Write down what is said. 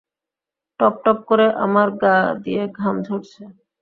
টপটপ করে আমার গা দিয়ে ঘাম ঝরছে।